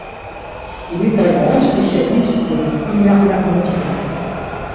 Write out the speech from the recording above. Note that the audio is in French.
Il est un grand spécialiste de la Première Guerre mondiale.